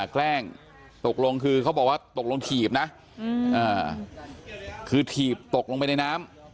แกล้งตกลงคือเขาบอกว่าตกลงถีบนะคือถีบตกลงไปในน้ำ